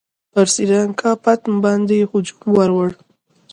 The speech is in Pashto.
پر سرینګا پټم باندي هجوم ورووړ.